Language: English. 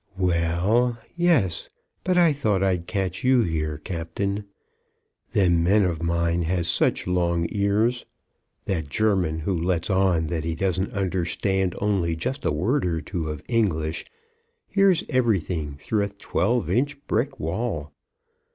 "Well; yes; but I thought I'd catch you here, Captain. Them men of mine has such long ears! That German who lets on that he don't understand only just a word or two of English, hears everything through a twelve inch brick wall.